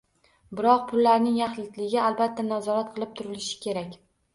Biroq pullarning yaxlitligi albatta nazorat qilib turilishi kerak.